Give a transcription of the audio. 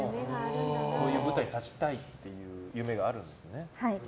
そういう舞台に立ちたいという夢があるんですね。